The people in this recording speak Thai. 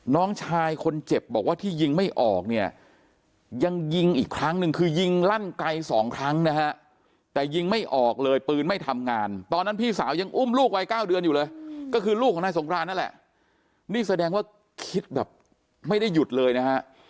น้องชายคนเจ็บบอกว่าที่ยิงไม่ออกเนี่ยยังยิงอีกครั้งหนึ่งคือยิงลั่นไกลสองครั้งนะฮะแต่ยิงไม่ออกเลยปืนไม่ทำงานตอนนั้นพี่สาวยังอุ้มลูกวัย๙เดือนอยู่เลยก็คือลูกของนายสงครานนั่นแหละนี่แสดงว่าคิดแบบไม่ได้หยุดเลยนะฮะ